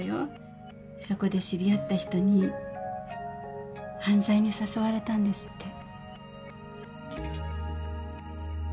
そこで知り合った人に犯罪に誘われたんですって。